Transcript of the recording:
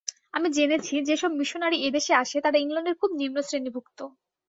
আমি জেনেছি যে-সব মিশনরী এ দেশে আসে, তারা ইংলণ্ডের খুব নিম্নশ্রেণীভুক্ত।